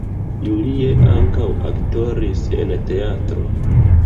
Julie ankaŭ aktoris en teatro.